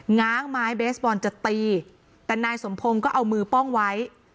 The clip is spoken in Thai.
ง้างไม้เบสบอลจะตีแต่นายสมพงศ์ก็เอามือป้องไว้